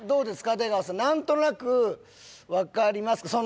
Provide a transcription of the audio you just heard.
出川さん何となく分かりますか？